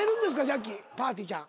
ジャッキーぱーてぃーちゃん。